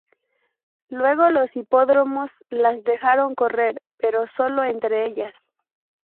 Luego los hipódromos las dejaron correr, pero sólo entre ellas.